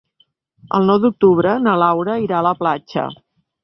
El nou d'octubre na Laura irà a la platja.